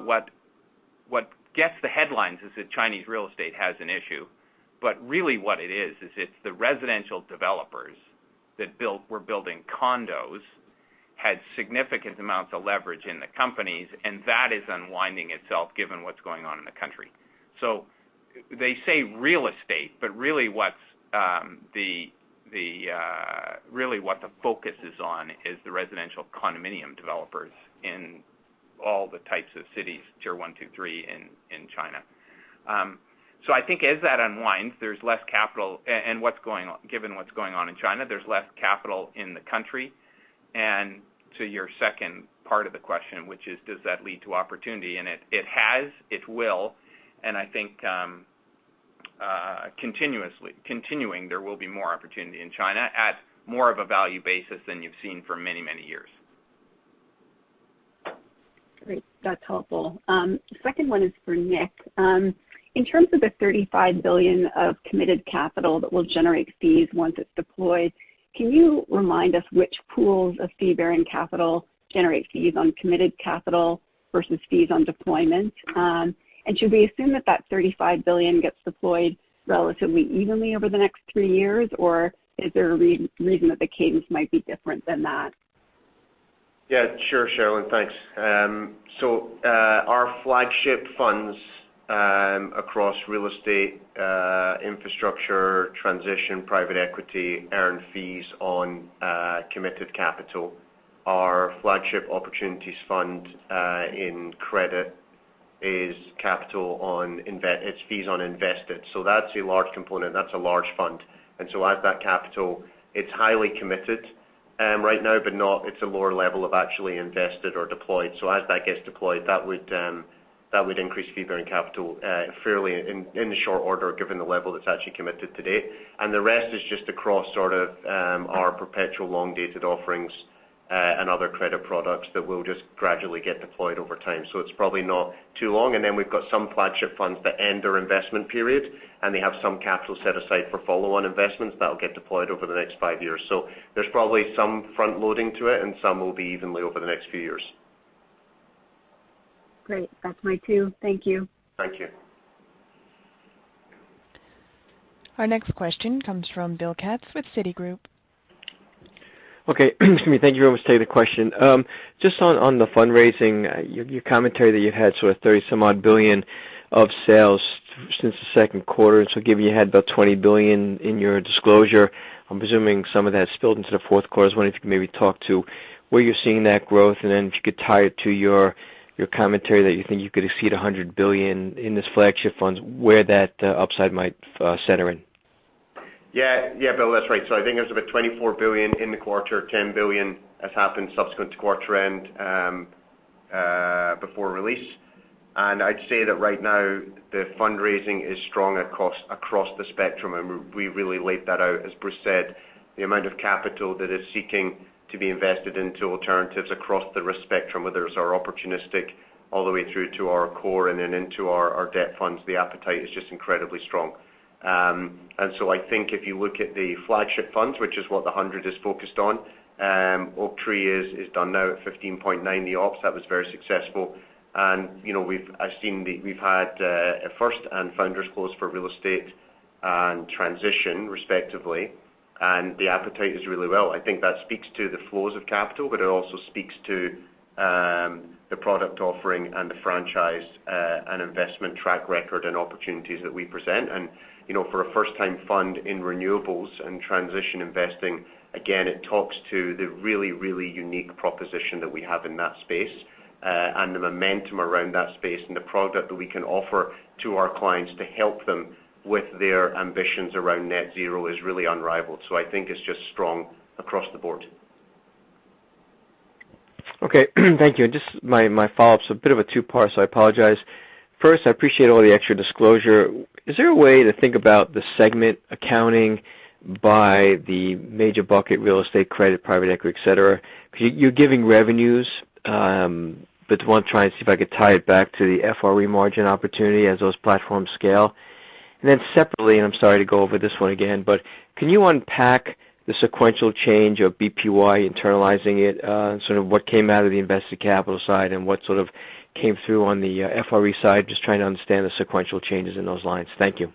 what gets the headlines is that Chinese real estate has an issue. Really what it is is it's the residential developers that were building condos had significant amounts of leverage in the companies, and that is unwinding itself given what's going on in the country. They say real estate, but really what the focus is on is the residential condominium developers in all the types of cities, Tier one, two, three in China. I think as that unwinds, there's less capital and given what's going on in China, there's less capital in the country. To your second part of the question, which is does that lead to opportunity? It has, it will, and I think continuing there will be more opportunity in China at more of a value basis than you've seen for many, many years. Great. That's helpful. Second one is for Nick. In terms of the $35 billion of committed capital that will generate fees once it's deployed, can you remind us which pools of fee-bearing capital generate fees on committed capital versus fees on deployment? Should we assume that that $35 billion gets deployed relatively evenly over the next three years, or is there a reason that the cadence might be different than that? Yeah, sure, Cherilyn, thanks. Our flagship funds across real estate, infrastructure, transition, private equity earn fees on committed capital. Our flagship opportunities fund in credit—it's fees on invested. That's a large component, that's a large fund. As that capital, it's highly committed right now, but it's a lower level of actually invested or deployed. As that gets deployed, that would increase Fee-Bearing Capital fairly in short order, given the level that's actually committed to date. The rest is just across sort of our perpetual long-dated offerings and other credit products that will just gradually get deployed over time. It's probably not too long. We've got some flagship funds that end their investment period, and they have some capital set aside for follow-on investments that will get deployed over the next five years. There's probably some front loading to it, and some will be evenly over the next few years. Great. That's my two. Thank you. Thank you. Our next question comes from Bill Katz with Citigroup. Okay. Excuse me. Thank you very much. Take the question. Just on the fundraising, your commentary that you've had sort of $30-some odd billion of sales since the second quarter. Given you had about $20 billion in your disclosure, I'm presuming some of that spilled into the fourth quarter. I was wondering if you could maybe talk to where you're seeing that growth and then if you could tie it to your commentary that you think you could exceed $100 billion in this flagship funds, where that upside might center in. Yeah. Yeah, Bill, that's right. I think there's about $24 billion in the quarter, $10 billion has happened subsequent to quarter end, before release. I'd say that right now the fundraising is strong across the spectrum, and we really laid that out. As Bruce said, the amount of capital that is seeking to be invested into alternatives across the risk spectrum, whether it's our opportunistic all the way through to our core and then into our debt funds, the appetite is just incredibly strong. I think if you look at the flagship funds, which is what the hundred is focused on, Oaktree is done now at 15.9. The opps, that was very successful. You know, we've had a first and final close for real estate and transition respectively, and the appetite is really well. I think that speaks to the flows of capital, but it also speaks to the product offering and the franchise, and investment track record and opportunities that we present. You know, for a first-time fund in renewables and transition investing, again, it talks to the really, really unique proposition that we have in that space, and the momentum around that space and the product that we can offer to our clients to help them with their ambitions around net zero is really unrivaled. I think it's just strong across the board. Okay. Thank you. Just my follow-up's a bit of a two-part, so I apologize. First, I appreciate all the extra disclosure. Is there a way to think about the segment accounting by the major bucket real estate credit, private equity, et cetera? You're giving revenues, but I want to try and see if I could tie it back to the FRE margin opportunity as those platforms scale. Separately, and I'm sorry to go over this one again, but can you unpack the sequential change of BPY internalizing it, and sort of what came out of the invested capital side and what sort of came through on the FRE side? Just trying to understand the sequential changes in those lines. Thank you.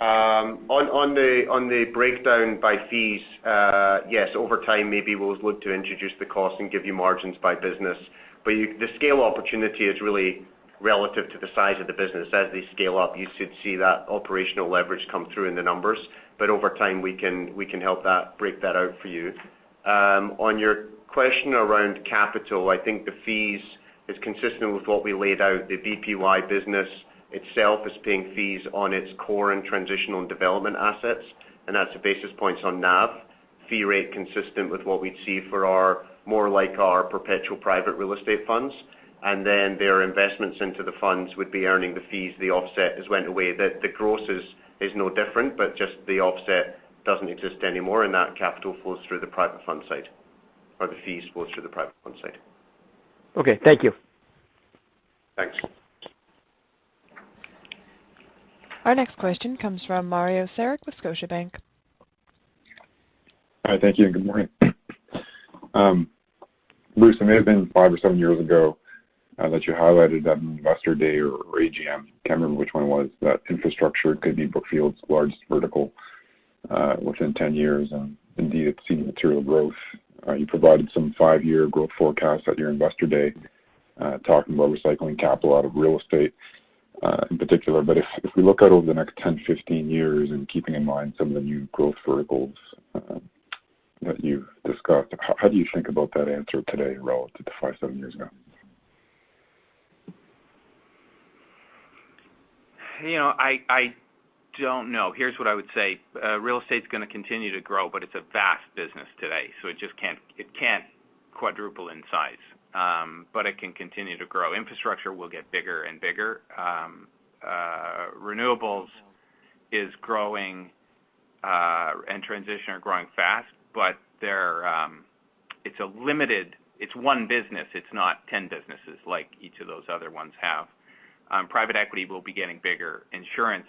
On the breakdown by fees, yes, over time, maybe we'll look to introduce the cost and give you margins by business. The scale opportunity is really relative to the size of the business. As they scale up, you should see that operational leverage come through in the numbers. Over time, we can help that break that out for you. On your question around capital, I think the fees is consistent with what we laid out. The BPY business itself is paying fees on its core and transitional development assets, and that's the basis points on NAV, fee rate consistent with what we'd see for our more like our perpetual private real estate funds. Their investments into the funds would be earning the fees. The offset has went away. The gross is no different, but just the offset doesn't exist anymore, and that capital flows through the private fund side, or the fees flows through the private fund side. Okay. Thank you. Thanks. Our next question comes from Mario Saric with Scotiabank. All right. Thank you, and good morning. Bruce, it may have been five or seven years ago that you highlighted that investor day or AGM. Can't remember which one it was, but infrastructure could be Brookfield's largest vertical within 10 years, and indeed it's seen material growth. You provided some five-year growth forecast at your investor day, talking about recycling capital out of real estate, in particular. If we look out over the next 10, 15 years and keeping in mind some of the new growth verticals that you've discussed, how do you think about that answer today relative to five, seven years ago? You know, I don't know. Here's what I would say. Real estate's gonna continue to grow, but it's a vast business today, so it just can't quadruple in size. It can continue to grow. Infrastructure will get bigger and bigger. Renewables is growing, and transition are growing fast, but they're. It's a limited, it's one business. It's not ten businesses like each of those other ones have. Private equity will be getting bigger. Insurance,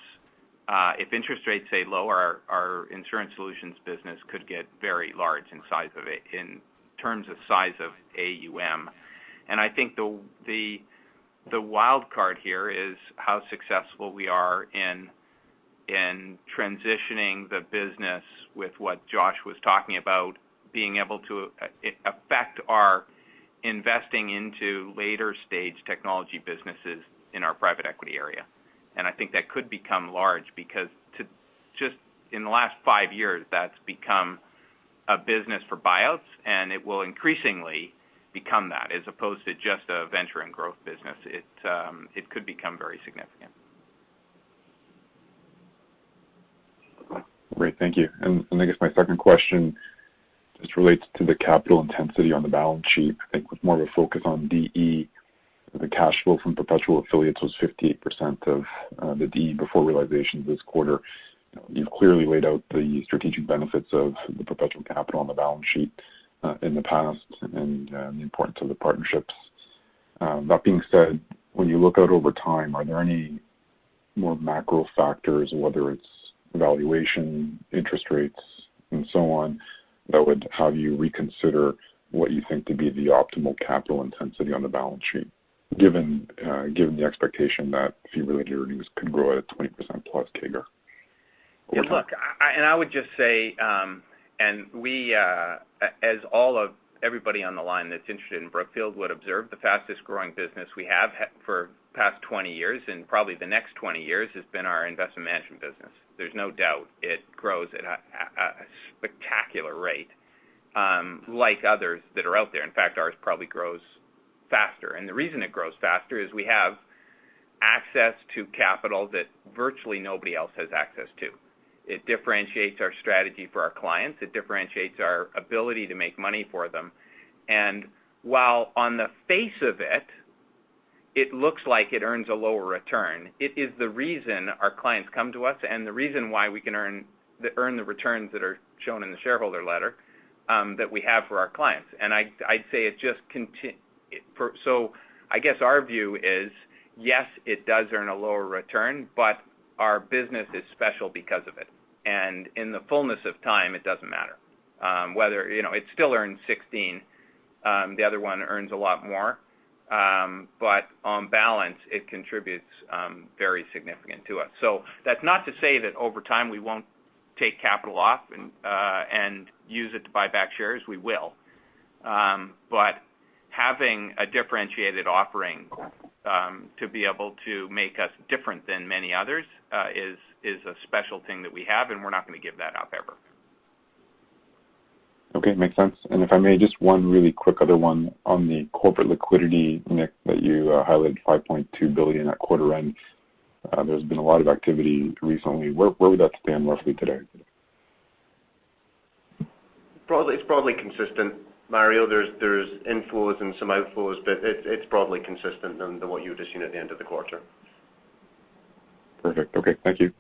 if interest rates stay low, our Insurance Solutions business could get very large in size of it, in terms of size of AUM. I think the wild card here is how successful we are in transitioning the business with what Josh was talking about, being able to affect our investing into later stage technology businesses in our private equity area. I think that could become large because in the last five years, that's become a business for buyouts, and it will increasingly become that as opposed to just a venture and growth business. It could become very significant. Great. Thank you. I guess my second question just relates to the capital intensity on the balance sheet. I think with more of a focus on DE, the cash flow from perpetual affiliates was 58% of the DE before realization this quarter. You've clearly laid out the strategic benefits of the perpetual capital on the balance sheet in the past and the importance of the partnerships. That being said, when you look out over time, are there any more macro factors, whether it's valuation, interest rates, and so on, that would have you reconsider what you think to be the optimal capital intensity on the balance sheet, given the expectation that fee-related revenues can grow at a 20%+ CAGR? Over to you. Yeah, look, I would just say, and we, as all of everybody on the line that's interested in Brookfield would observe, the fastest-growing business we have for the past 20 years and probably the next 20 years has been our investment management business. There's no doubt it grows at a spectacular rate, like others that are out there. In fact, ours probably grows faster. The reason it grows faster is we have access to capital that virtually nobody else has access to. It differentiates our strategy for our clients. It differentiates our ability to make money for them. While on the face of it looks like it earns a lower return, it is the reason our clients come to us and the reason why we can earn the returns that are shown in the shareholder letter that we have for our clients. I guess our view is, yes, it does earn a lower return, but our business is special because of it. In the fullness of time, it doesn't matter. Whether, you know, it still earns 16%. The other one earns a lot more. But on balance, it contributes very significant to us. That's not to say that over time, we won't take capital off and use it to buy back shares. We will. Having a differentiated offering to be able to make us different than many others is a special thing that we have, and we're not gonna give that up ever. Okay. Makes sense. If I may, just one really quick other one on the corporate liquidity, Nick, that you highlighted $5.2 billion at quarter end. There's been a lot of activity recently. Where would that stand roughly today? It's probably consistent, Mario. There's inflows and some outflows, but it's probably consistent than what you had just seen at the end of the quarter. Perfect. Okay. Thank you.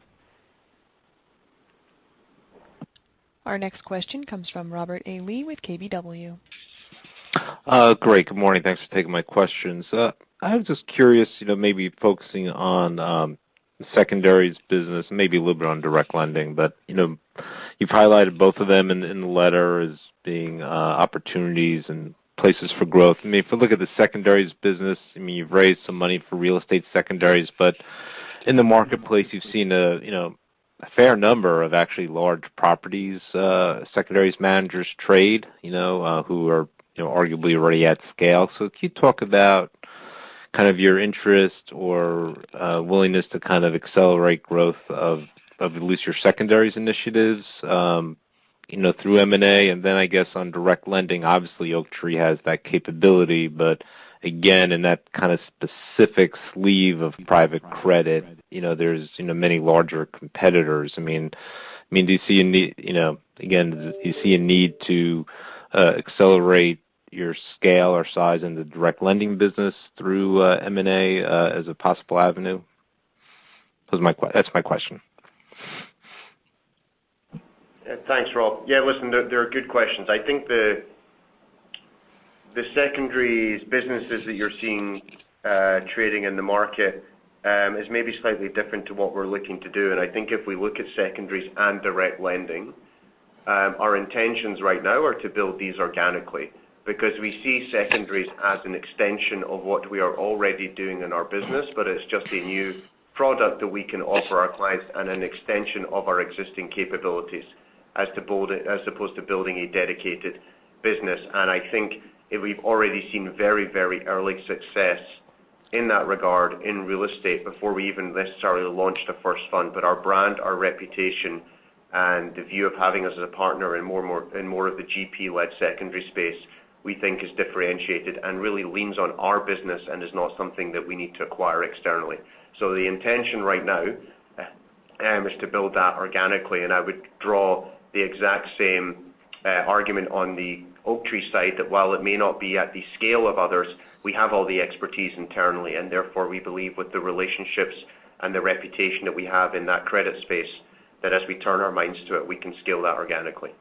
Our next question comes from Robert A Lee with KBW. Great. Good morning. Thanks for taking my questions. I was just curious, you know, maybe focusing on, secondaries business, maybe a little bit on direct lending. You know, you've highlighted both of them in the letter as being, opportunities and places for growth. I mean, if you look at the secondaries business, I mean, you've raised some money for real estate secondaries, but in the marketplace, you've seen a, you know, a fair number of actually large proprietary secondaries managers trading, you know, who are, you know, arguably already at scale. Can you talk about kind of your interest or, willingness to kind of accelerate growth of, at least your secondaries initiatives, you know, through M&A? Then I guess on direct lending, obviously Oaktree has that capability. Again, in that kind of specific sleeve of private credit, you know, there's you know many larger competitors. I mean, you know, again, do you see a need to accelerate your scale or size in the direct lending business through M&A as a possible avenue? That's my question. Yeah. Thanks, Rob. Yeah. Listen, they're good questions. I think the secondaries businesses that you're seeing trading in the market. Is maybe slightly different to what we're looking to do. I think if we look at secondaries and direct lending, our intentions right now are to build these organically because we see secondaries as an extension of what we are already doing in our business, but it's just a new product that we can offer our clients and an extension of our existing capabilities as opposed to building a dedicated business. I think we've already seen very, very early success in that regard in real estate before we even necessarily launched the first fund. Our brand, our reputation, and the view of having us as a partner in more of the GP-led secondary space, we think is differentiated and really leans on our business and is not something that we need to acquire externally. The intention right now is to build that organically. I would draw the exact same argument on the Oaktree side, that while it may not be at the scale of others, we have all the expertise internally, and therefore, we believe with the relationships and the reputation that we have in that credit space, that as we turn our minds to it, we can scale that organically.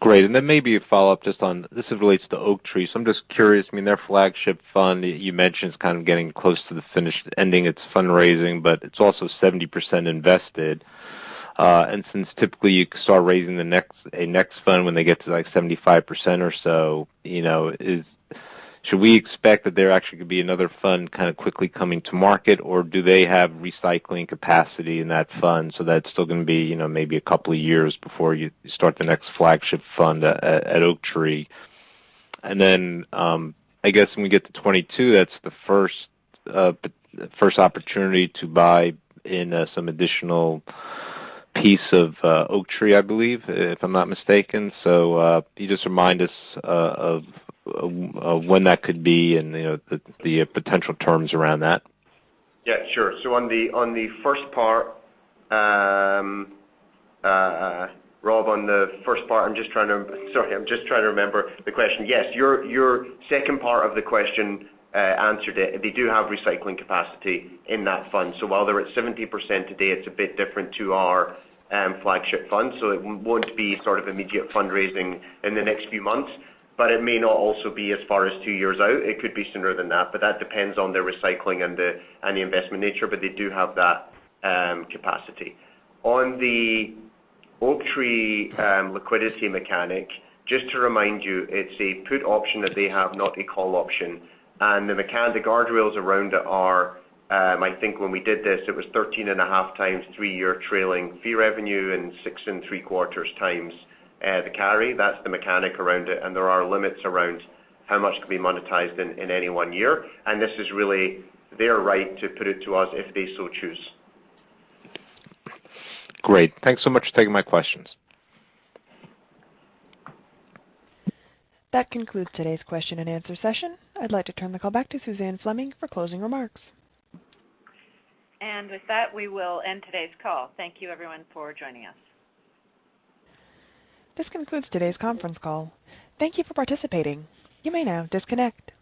Great. Maybe a follow-up just on this. This relates to Oaktree. So I'm just curious. I mean, their flagship fund, you mentioned, is kind of getting close to the finish, ending its fundraising, but it's also 70% invested. And since typically you can start raising the next fund when they get to 75% or so, should we expect that there actually could be another fund kind of quickly coming to market, or do they have recycling capacity in that fund so that it's still gonna be, you know, maybe a couple of years before you start the next flagship fund at Oaktree? I guess when we get to 2022, that's the first opportunity to buy in some additional piece of Oaktree, I believe, if I'm not mistaken. Can you just remind us of when that could be and, you know, the potential terms around that? Yeah, sure. On the first part, Rob, I'm just trying to remember the question. Yes. Your second part of the question answered it. They do have recycling capacity in that fund. While they're at 70% today, it's a bit different to our flagship fund. It won't be sort of immediate fundraising in the next few months, but it may not also be as far as two years out. It could be sooner than that, but that depends on their recycling and the investment nature, but they do have that capacity. On the Oaktree liquidity mechanic, just to remind you, it's a put option that they have, not a call option. The mechanic, the guardrails around it are, I think when we did this, it was 13.5 times three-year trailing fee revenue and 6.75 times the carry. That's the mechanic around it. There are limits around how much can be monetized in any one year. This is really their right to put it to us if they so choose. Great. Thanks so much for taking my questions. That concludes today's question and answer session. I'd like to turn the call back to Suzanne Fleming for closing remarks. With that, we will end today's call. Thank you everyone for joining us. This concludes today's conference call. Thank you for participating. You may now disconnect.